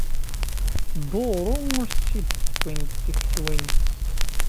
Duṛu ur s-tt-id-wwint tektiwin-is.